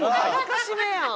辱めやん！